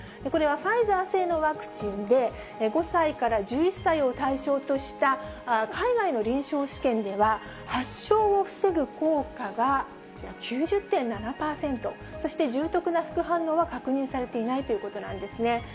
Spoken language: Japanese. これはファイザー製のワクチンで、５歳から１１歳を対象とした海外の臨床試験では、発症を防ぐ効果がこちら、９０．７％、そして重篤な副反応は確認されていないということなんですね。